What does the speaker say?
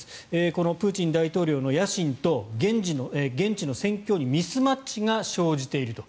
このプーチン大統領の野心と現地の戦況にミスマッチが生じていると。